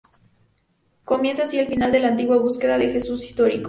Comienza así el final de la antigua búsqueda del Jesús histórico.